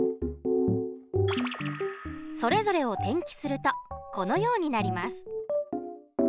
それぞれを転記するとこのようになります。